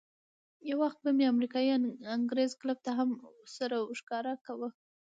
یو وخت به مې امریکایي انګرېز کلب ته هم سر ورښکاره کاوه.